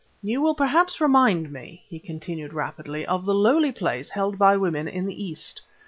"You will perhaps remind me," he continued rapidly, "of the lowly place held by women in the East.